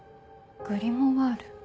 グリモワール？